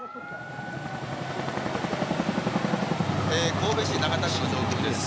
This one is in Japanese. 神戸市長田区の上空です。